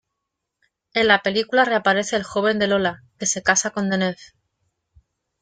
En la película reaparece el joven de "Lola", que se casa con Deneuve.